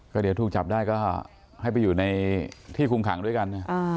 ก็เดี๋ยวถูกจับได้ก็ให้ไปอยู่ในที่คุมขังด้วยกัน